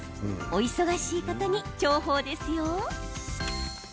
お忙しい方に重宝ですよ。